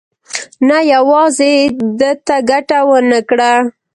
نه یوازې ده ته ګټه ونه کړه.